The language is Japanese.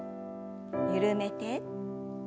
緩めて。